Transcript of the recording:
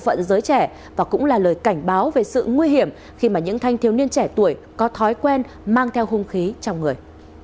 vẫn giới trẻ và cũng là lời cảnh báo về sự nguy hiểm khi mà những thanh thiếu niên trẻ tuổi có thói quen mang theo hung khí trong người